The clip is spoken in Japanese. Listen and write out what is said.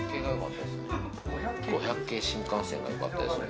５００系新幹線が良かったですよね。